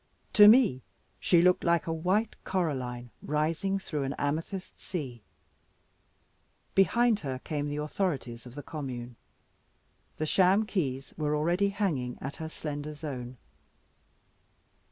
To me she looked like a white coralline rising through an amethyst sea. Behind her came the authorities of the commune. The sham keys were already hanging at her slender zone.